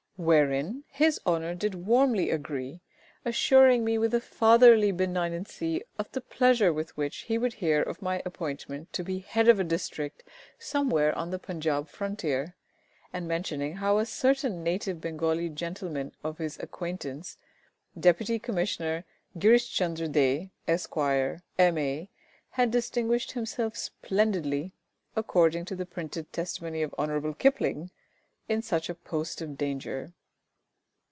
Wherein his Honour did warmly agree, assuring me with fatherly benignancy of the pleasure with which he would hear of my appointment to be Head of a District somewhere on the Punjab frontier, and mentioning how a certain native Bengali gentleman of his acquaintance, Deputy Commissioner GRISH CHUNDER DÉ, Esq., M.A., had distinguished himself splendidly (according to the printed testimony of Hon'ble KIPLING) in such a post of danger.